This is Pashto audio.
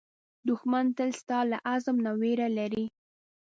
دښمن تل ستا له عزم نه وېره لري